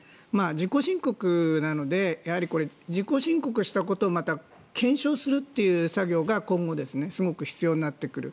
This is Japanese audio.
自己申告なので自己申告したことをまた検証するっていう作業が今後、すごく必要になってくる。